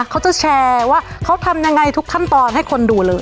เขาจะแชร์ว่าเขาทำยังไงทุกขั้นตอนให้คนดูเลย